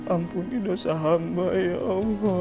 ampuni dosa hamba ya allah